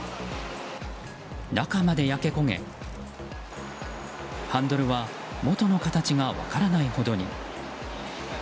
中まで焼け焦げハンドルは元の形が分からないほどに。